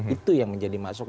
itu yang menjadi masuk